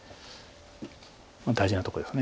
大事なとこです